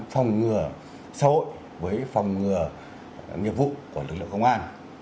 phòng ngừa xã hội với phòng ngừa nghiệp vụ của lực lượng công an